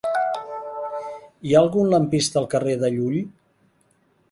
Hi ha algun lampista al carrer de Llull?